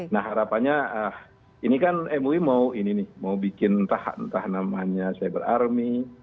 nah harapannya ini kan mui mau bikin entah entah namanya sable army